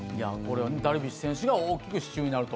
ダルビッシュ選手が大きく支柱になると。